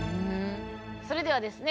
それではですね